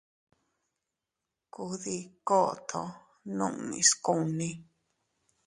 Kuu dii koto nunnis kunni.